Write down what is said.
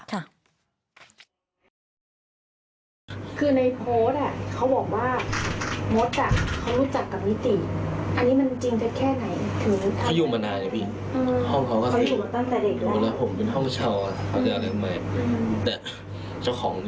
แต่วันที่เกิดเห็นใช่มั้ยแบบไปมีห้องไป